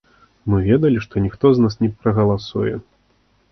Мы ведалі, што ніхто за нас не прагаласуе.